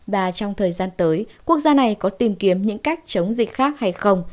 và trong thời gian tới quốc gia này có tìm kiếm những cách chống dịch khác hay không